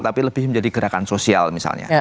tapi lebih menjadi gerakan sosial misalnya